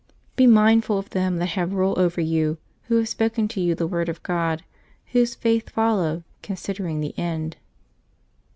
— ^"^Be mindful of them that have rule over you, who have spoken to you the word of God, whose faith follow, considering the end."